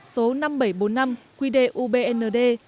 số năm nghìn bảy trăm bốn mươi năm quy đề ubnd